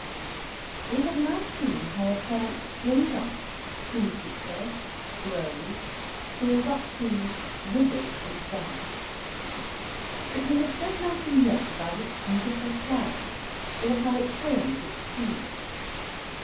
Week 21 We have now seen how a plant springs up, feeds itself, grows, stores up food, withers, and dies; but we have said nothing yet about its beautiful flowers or how it forms its seeds.